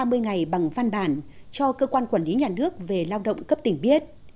ba mươi ngày bằng văn bản cho cơ quan quản lý nhà nước về lao động cấp tỉnh biết